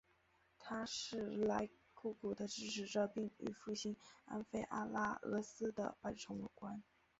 他是莱库古的支持者并与复兴安菲阿拉俄斯的崇拜有关。